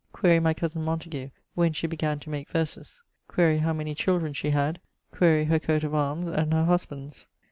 Quaere my cosen Montagu when she began to make verses. Quaere how many children she had. Quaere her coat of arms, and her husband's.